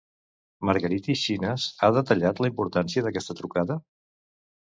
Margaritis Schinas ha detallat la importància d'aquesta trucada?